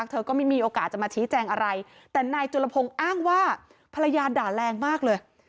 เธอก็ไม่มีโอกาสจะมาชี้แจงอะไรแต่นายจุลพงศ์อ้างว่าภรรยาด่าแรงมากเลย